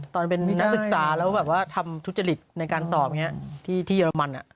ตอนเป็นนักศึกษาแล้วแบบว่าทำทุจริตในการสอบอย่างนี้ที่เยอรมัน